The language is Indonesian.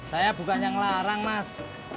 saya bukan yang larang mas